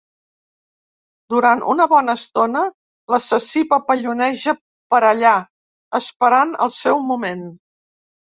Durant una bona estona l'assassí papalloneja per allà, esperant el seu moment.